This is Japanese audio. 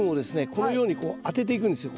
このように当てていくんですよ